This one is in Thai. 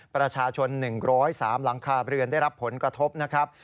ประชาชน๑๐๓หลังคาเรือนได้รับผลกระทบนะครับ